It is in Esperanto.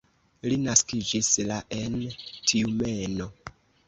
Li naskiĝis la en Tjumeno.